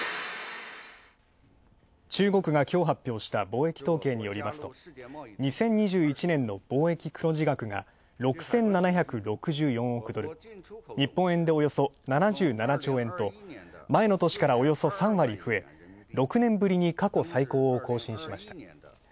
中国がきょう発表した貿易統計によりますと２０２１年の貿易黒字額が６７６４億ドル日本円でおよそ７７兆円と前の年からおよそ３割増え６年ぶりに過去最高を更新しました。